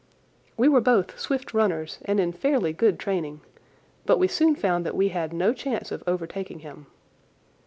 We were both swift runners and in fairly good training, but we soon found that we had no chance of overtaking him.